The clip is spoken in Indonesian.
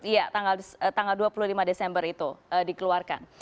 iya tanggal dua puluh lima desember itu dikeluarkan